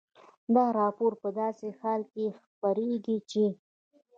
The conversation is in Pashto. دا راپور په داسې حال کې خپرېږي چې